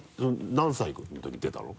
何歳の時に出たの？